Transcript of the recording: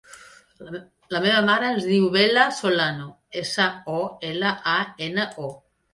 La meva mare es diu Bella Solano: essa, o, ela, a, ena, o.